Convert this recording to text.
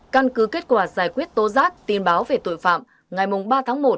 căn cứ kết quả giải quyết tố giác tin báo về tội phạm ngày ba tháng một